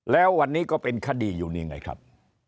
แล้ววันนี้ก็เป็นคดีอยู่นี่ไงครับ